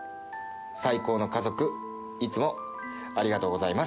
最高の家族、いつもありがとうございます。